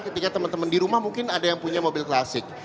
ketika temen temen dirumah mungkin ada yang punya mobil klasik